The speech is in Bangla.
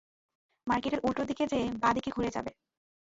মার্কেটের উল্টো দিকে যেয়ে বাঁ-দিকে ঘুরে যাবে।